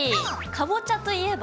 かぼちゃといえば？